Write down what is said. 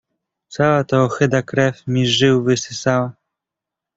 "Cała ta ohyda krew mi z żył wysysała."